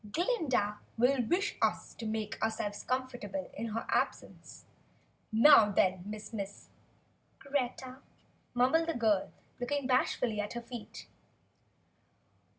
"Glinda will wish us to make ourselves comfortable in her absence. Now then, Miss Miss ?" "Greta," mumbled the girl, looking bashfully at her feet.